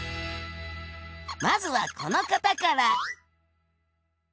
まずはこの方から。